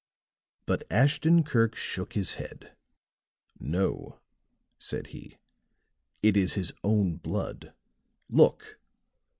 But Ashton Kirk shook his head. "No," said he. "It is his own blood. Look!"